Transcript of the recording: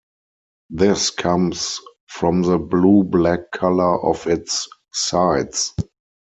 This comes from the blue-black colour of its sides.